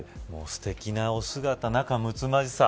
すてきなお姿仲むつまじさ。